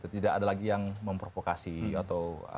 tidak ada lagi yang memprovokasi atau